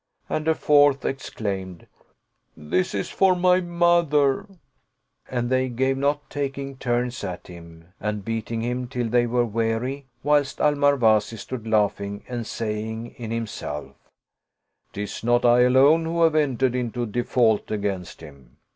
and a fourth exclaimed, " This is for my mother 1 " And they gave not taking turns at him and beating him till they were weary, whilst Al Marwazi stood laughing and saying in himself, " Tis not I alone who have entered into default against him.